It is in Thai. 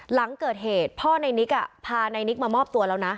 หลังเกิดเหตุพ่อในนิกพาในนิกมามอบตัวแล้วนะ